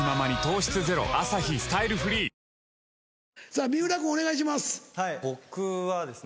さぁ三浦君お願いします。